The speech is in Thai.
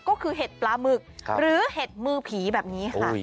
ก็คือเห็ดปลาหมึกหรือเห็ดมือผีแบบนี้ค่ะ